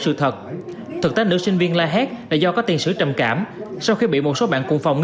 sự thật thực tế nữ sinh viên la hét là do có tiền sử trầm cảm sau khi bị một số bạn cùng phòng